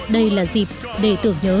đây là dịp để tưởng nhớ